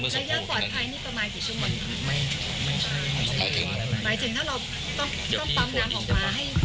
ระยะปลอดภัยนี่ประมาณกี่ชั่วโมงหมายถึงถ้าเราต้องต้องปั๊มน้ำออกมาให้